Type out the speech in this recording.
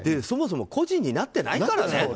そもそも個人になっていないからね。